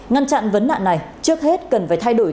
ngăn chặn vấn nạn này trước hết cần phải thay đổi